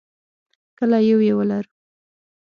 کله یو یې ولرو.